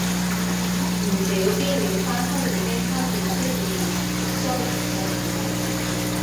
唔少邊遠山區已經開始出現人相食嘅事情